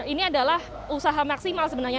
ini adalah usaha maksimal sebenarnya